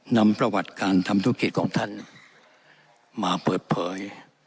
นำประวัติการทำธุรกิจของท่านมาเปิดเผย